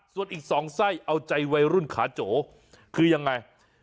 ส่วนอีก๒ไส้เอาใจวัยรุ่นขาโจคือยังไง